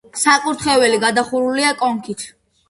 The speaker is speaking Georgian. საკურთხეველი გადახურულია კონქით.